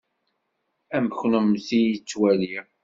Am kennemti i ttwaliɣ.